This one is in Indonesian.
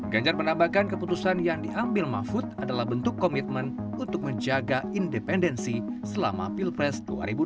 ganjar menambahkan keputusan yang diambil mahfud adalah bentuk komitmen untuk menjaga independensi selama pilpres dua ribu dua puluh